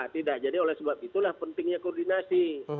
tidak jadi oleh sebab itulah pentingnya koordinasi